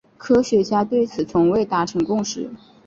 科学家对此从未达成共识。